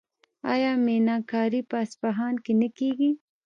آیا میناکاري په اصفهان کې نه کیږي؟